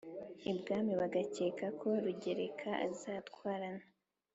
ibwami bagakeka ko rugereka azatwarana